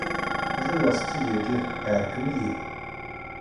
Жуас түйеге әркім ие.